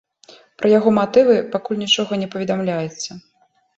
Пра яго матывы пакуль нічога не паведамляецца.